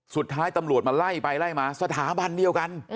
สุดท้ายตำรวจมาไล่ไปไล่มาสถาบันเดียวกัน